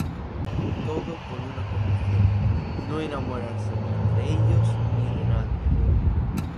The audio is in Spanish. Todo con una condición: no enamorarse ni entre ellos ni de nadie.